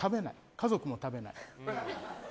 家族も食べない。